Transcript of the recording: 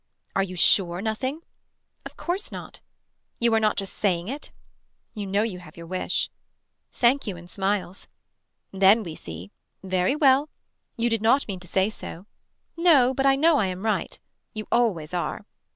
Are you sure nothing. Of course not. You are not just saying it. You know you have your wish. Thank you in smiles. Then we see Very well. You did not mean to say so. No but I know I am right You always are.